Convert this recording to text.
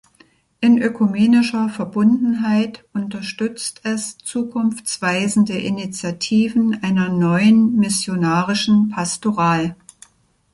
In ökumenischer Verbundenheit unterstützt es zukunftsweisende Initiativen einer neuen missionarischen Pastoral.